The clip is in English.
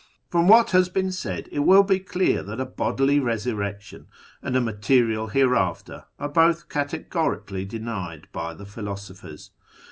From what has been said it will be clear that a bodily resurrection and a material hereafter are both categorically denied by the philosophers.